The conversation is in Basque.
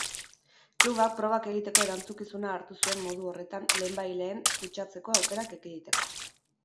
Klubak probak egiteko erantzukizuna hartu zuen modu horretan lehenbailehen kutsatzeko aukerak ekiditeko.